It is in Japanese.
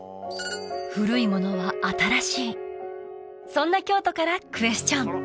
古いものは新しいそんな京都からクエスチョン